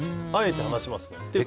あえて話しますね。